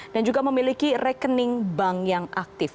dan juga memiliki rekening bank yang aktif